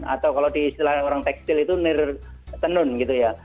atau kalau di istilahnya orang tekstil itu nir tenun gitu ya